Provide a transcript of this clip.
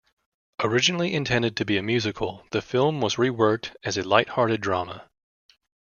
Originally intended to be a musical, the film was re-worked as a light-hearted drama.